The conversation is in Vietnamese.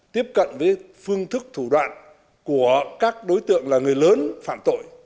tiếp cận với phương thức thủ đoạn của các đối tượng là người lớn phạm tội